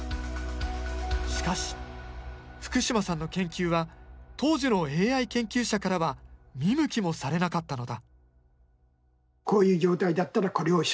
しかし福島さんの研究は当時のＡＩ研究者からは見向きもされなかったのだ。